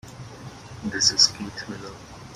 This is Keith Miller.